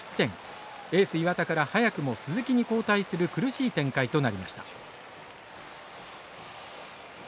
エース岩田から早くも鈴木に交代する苦しい展開となりました。